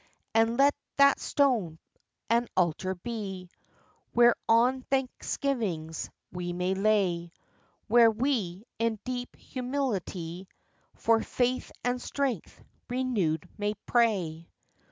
And let that stone an altar be, Whereon thanksgivings we may lay, Where we, in deep humility, For faith and strength renewed may pray.